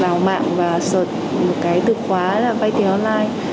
vào mạng và sợt một cái từ khóa là vay tiền online